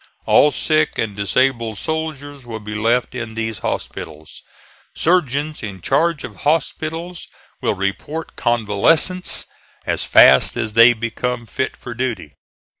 All sick and disabled soldiers will be left in these hospitals. Surgeons in charge of hospitals will report convalescents as fast as they become fit for duty.